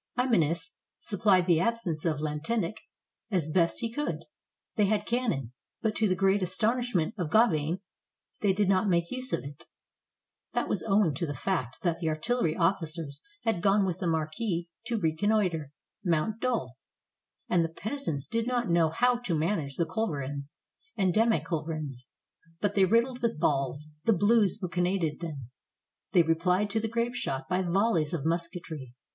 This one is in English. Imanus supplied the absence of Lantenac as best he could. They had cannon, but to the great astonishment of Gauvain they did not make use of it ; that was owing to the fact that the artillery officers had gone with the marquis to reconnoiter Mount Dol, and the peasants did not know how to manage the culverins and demi culverins. But they riddled with balls the Blues who cannonaded them; they replied to the grape shot by volleys of musketry.